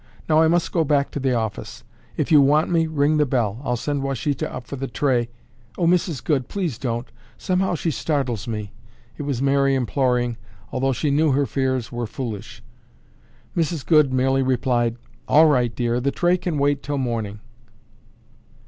Now I must go back to the office. If you want me, ring the bell. I'll send Washita up for the tray—" "Oh, Mrs. Goode, please don't! Somehow she startles me." It was Mary imploring, although she knew her fears were foolish. Mrs. Goode merely replied, "All right, dear. The tray can wait until morning."